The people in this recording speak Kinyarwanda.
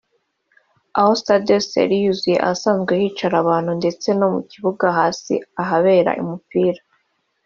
aho Stade yose yari yuzuye ahasanzwe hicara abantu ndetse no mu kibuga hasi ahabera umupira